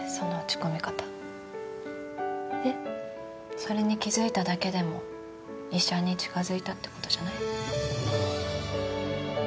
それに気づいただけでも医者に近づいたって事じゃない？